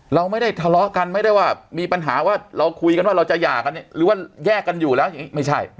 เราไม่ได้ทะเลาะกันไม่ได้ว่ามีปัญหาว่าเราคุยกันว่าเราจะหย่ากันหรือว่าแยกกันอยู่แล้วอย่างนี้ไม่ใช่